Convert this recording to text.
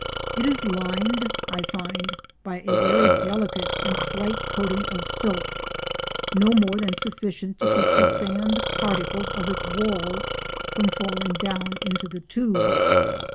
It is lined, I find, by a very delicate and slight coating of silk, no more than sufficient to keep the sand particles of its walls from falling down into the tube.